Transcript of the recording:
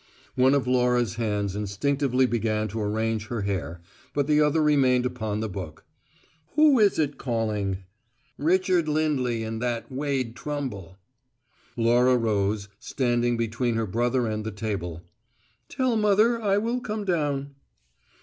One of Laura's hands instinctively began to arrange her hair, but the other remained upon the book. "Who is it calling?" "Richard Lindley and that Wade Trumble." Laura rose, standing between her brother and the table. "Tell mother I will come down."